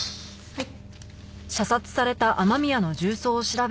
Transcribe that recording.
はい。